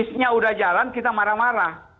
bisnya udah jalan kita marah marah